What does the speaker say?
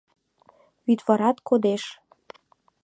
Вӱдварат кодеш